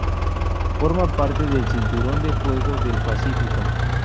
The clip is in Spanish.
Forman parte del Cinturón de Fuego del Pacífico.